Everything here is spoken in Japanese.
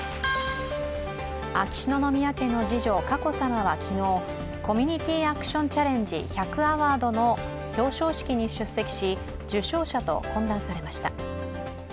秋篠宮家の次女、佳子さまは昨日、コミュニティアクションチャレンジ１００アワードの表彰式に出席し、受賞者と懇談されました。